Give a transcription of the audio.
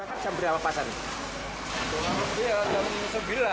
api berapa pasarnya